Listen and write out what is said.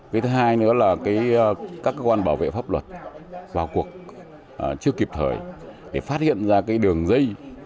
cái thứ hai nữa là các cơ quan bảo vệ pháp luật vào cuộc chưa kịp thời để phát hiện ra cái đường dây